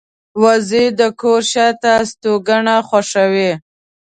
وزې د کور شاته استوګنه خوښوي